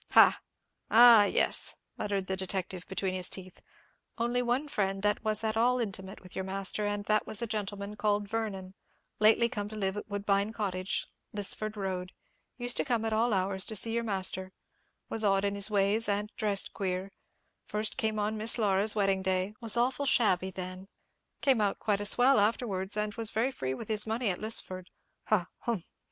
"Humph!—ha!—ah, yes!" muttered the detective between his teeth; "only one friend that was at all intimate with your master, and that was a gentleman called Vernon, lately come to live at Woodbine Cottage, Lisford Road; used to come at all hours to see your master; was odd in his ways, and dressed queer; first came on Miss Laura's wedding day; was awful shabby then; came out quite a swell afterwards, and was very free with his money at Lisford. Ah!—humph!